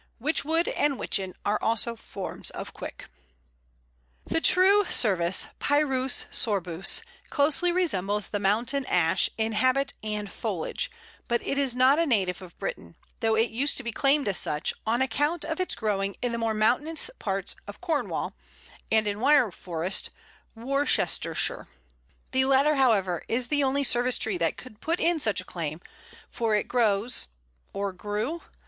Witch wood and Witchen are also forms of cwic. [Illustration: Pl. 114. Rowan winter.] The True Service (Pyrus sorbus) closely resembles the Mountain Ash in habit and foliage, but it is not a native of Britain, though it used to be claimed as such, on account of its growing in the more mountainous parts of Cornwall and in Wyre Forest, Worcestershire. The latter, however, is the only Service tree that could put in such a claim, for it grows or grew?